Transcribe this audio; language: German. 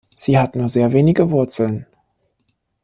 Sie hat nur sehr wenige Wurzeln.